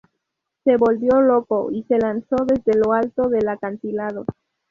Se volvió loco, y se lanzó desde lo alto del acantilado.